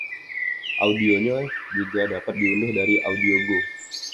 Audionya juga dapat diunduh dari AudioGo.